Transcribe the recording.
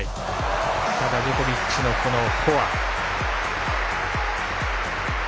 ただジョコビッチのフォア。